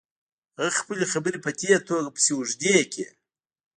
هغه خپلې خبرې په دې توګه پسې اوږدې کړې.